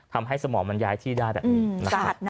สมองมันย้ายที่ได้แบบนี้นะครับ